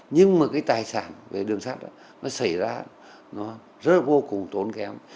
nhưng mà cái tài sản về đường sắt nó xảy ra nó rất vô cùng tốn kém